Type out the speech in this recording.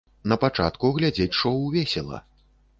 На пачатку глядзець шоў весела.